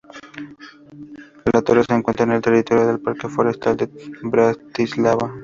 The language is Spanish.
La torre se encuentra en el territorio del Parque Forestal de Bratislava.